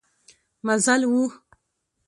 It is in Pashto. مزل و.